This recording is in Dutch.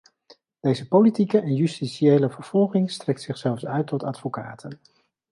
Deze politieke en justitiële vervolging strekt zich zelfs uit tot advocaten.